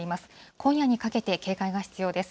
今夜にかけて、警戒が必要です。